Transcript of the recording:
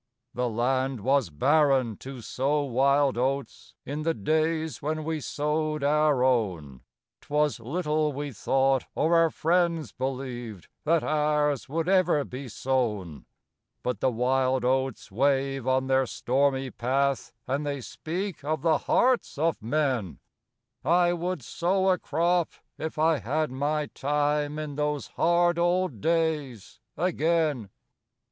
The land was barren to sow wild oats in the days when we sowed our own ('Twas little we thought or our friends believed that ours would ever be sown) But the wild oats wave on their stormy path, and they speak of the hearts of men I would sow a crop if I had my time in those hard old days again.